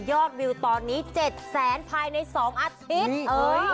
วิวตอนนี้๗แสนภายใน๒อาทิตย์